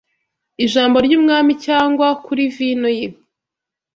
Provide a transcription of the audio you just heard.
Ijambo ry’umwami cyangwa kuri vino ye